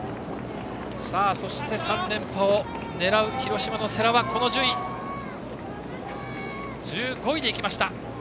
そして３連覇を狙う広島の世羅は１５位で行きました。